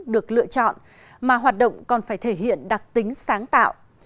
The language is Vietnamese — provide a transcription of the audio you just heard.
được lựa chọn mà hoạt động còn phải thể hiện đặc tính sáng tạo